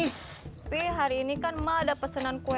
tapi hari ini kan emak ada pesenan kue